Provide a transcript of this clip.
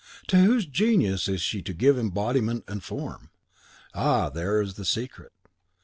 to whose genius is she to give embodiment and form? Ah, there is the secret!